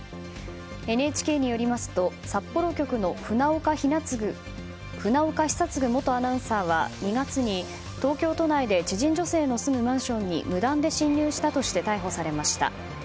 ＮＨＫによりますと、札幌局の船岡久嗣元アナウンサーは２月に東京都内で知人女性の住むマンションに無断で侵入したとして逮捕されました。